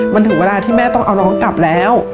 มันถึงเวลาที่แม่ต้องเอาน้องกลับแล้ว